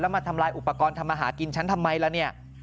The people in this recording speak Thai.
มาทำลายอุปกรณ์ทำมาหากินฉันทำไมล่ะเนี่ย